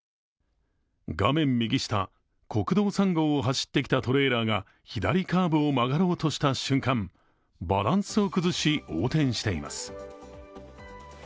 画面右下、国道３号を走ってきたトレーラーが左カーブを曲がろうとした瞬間バランスを崩し、横転しています。